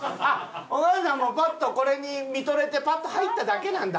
お母さんもパッとこれに見とれてパッと入っただけなんだ？